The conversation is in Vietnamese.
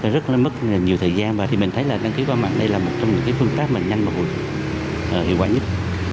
rất mất nhiều thời gian và mình thấy đăng ký qua mạng đây là một trong những phương tác nhanh và hiệu quả nhất